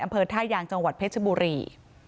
อำเภอท่ายางจังหวัดเพชรบุรี